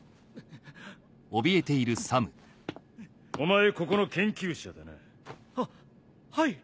お前ここの研究者だな。ははい。